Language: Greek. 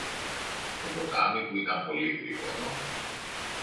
το ποτάμι που ήταν πολύ γρήγορο